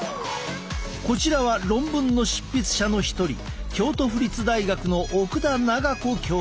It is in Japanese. こちらは論文の執筆者の一人京都府立大学の奥田奈賀子教授。